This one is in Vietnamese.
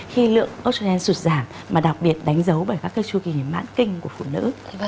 khi lượng australia sụt giảm mà đặc biệt đánh dấu bởi các cái chu kỳ mãn kinh của phụ nữ